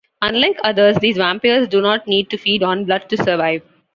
Unlike others, these vampires do not need to feed on blood to survive.